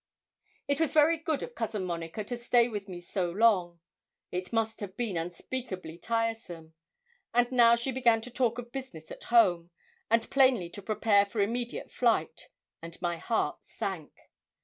It was very good of Cousin Monica to stay with me so long. It must have been unspeakably tiresome. And now she began to talk of business at home, and plainly to prepare for immediate flight, and my heart sank.